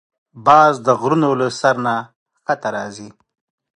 باز د غرونو له سر نه ښکته راځي